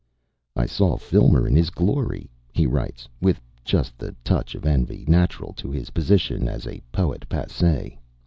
"I saw Filmer in his glory," he writes, with just the touch of envy natural to his position as a poet passe.